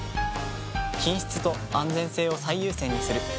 品質と安全性を最優先にする。